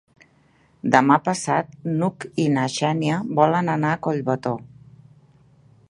Demà passat n'Hug i na Xènia volen anar a Collbató.